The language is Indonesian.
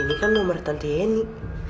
ini kan nomer tante yeni